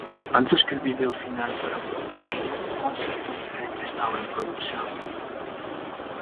Antes que el vídeo final fuera producido, un concepto diferente estaba en producción.